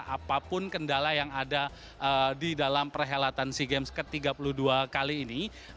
apapun kendala yang ada di dalam perhelatan sea games ke tiga puluh dua kali ini